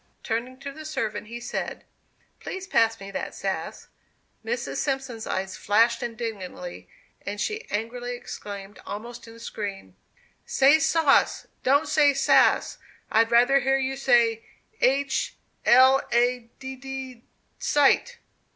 Turning to the servant he said: "Please pass me that sass." Mrs. Simpson's eyes flashed indignantly, and she angrily exclaimed, almost in a scream: "Say sauce; don't say 'sass.' I'd rather hear you say h l a d d sight!"